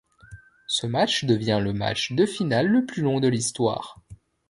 Ce match devient le match de finale le plus long de l'histoire.